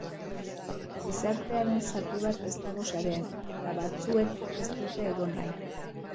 Gizartearen zati bat ez dago sarean eta batzuek ez dute egon nahi.